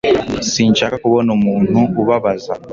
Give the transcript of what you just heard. sinshaka kubona umuntu ubabaza